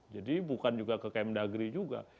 jadi bukan juga ke km dagri juga